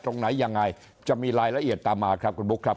ตรงไหนยังไงจะมีรายละเอียดตามมาครับคุณบุ๊คครับ